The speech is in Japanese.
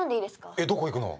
えっどこ行くの？